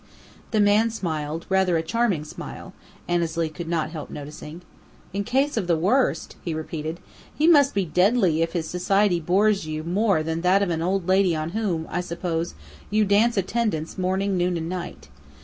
The man smiled, rather a charming smile, Annesley could not help noticing. "In case of the worst!" he repeated. "He must be deadly if his society bores you more than that of an old lady on whom, I suppose, you dance attendance morning, noon, and night.